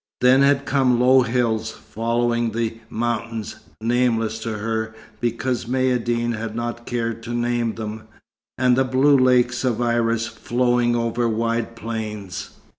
Then had come low hills, following the mountains (nameless to her, because Maïeddine had not cared to name them), and blue lakes of iris flowing over wide plains.